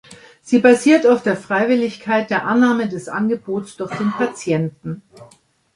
Sie basiert auf der Freiwilligkeit der Annahme des Angebots durch den Patienten.